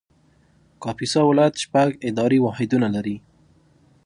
کاپیسا ولایت شپږ اداري واحدونه لري